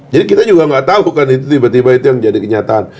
jadi kita juga nggak tahu kan itu tiba tiba itu yang jadi kenyataan